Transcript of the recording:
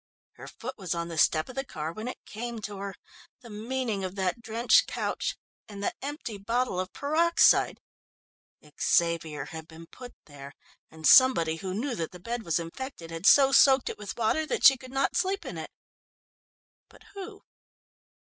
Her foot was on the step of the car when it came to her the meaning of that drenched couch and the empty bottle of peroxide. Xavier had been put there, and somebody who knew that the bed was infected had so soaked it with water that she could not sleep in it. But who?